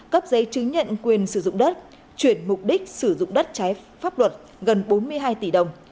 cấp giấy chứng nhận quyền sử dụng đất chuyển mục đích sử dụng đất trái pháp luật gần bốn mươi hai tỷ đồng